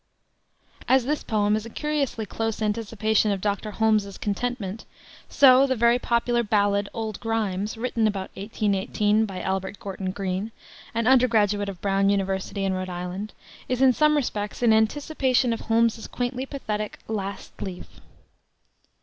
As this poem is a curiously close anticipation of Dr. Holmes's Contentment, so the very popular ballad, Old Grimes, written about 1818, by Albert Gorton Greene, an undergraduate of Brown University in Rhode Island, is in some respects an anticipation of Holmes's quaintly pathetic Last Leaf.